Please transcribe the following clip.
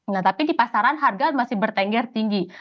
nah tapi di pasaran harga masih bertengger tinggi